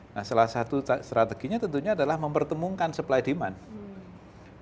nah salah satu strateginya tentunya adalah mempertemukan supply demand